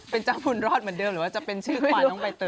เป็นเจ้าบุญรอดเหมือนเดิมหรือว่าจะเป็นชื่อควายน้องใบเตย